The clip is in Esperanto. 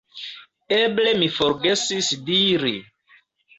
Eble mi forgesis diri.